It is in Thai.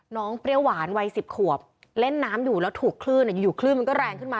เปรี้ยวหวานวัย๑๐ขวบเล่นน้ำอยู่แล้วถูกคลื่นอยู่คลื่นมันก็แรงขึ้นมา